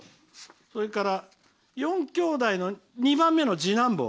それから４きょうだいの２番目の次男坊。